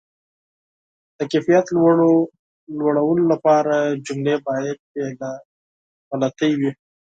د کیفیت لوړولو لپاره، جملې باید بې له غلطۍ وي.